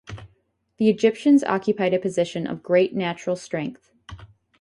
The Egyptians occupied a position of great natural strength.